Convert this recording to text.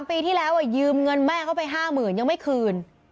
ปีที่แล้วยืมเงินแม่เขาไป๕๐๐๐ยังไม่คืน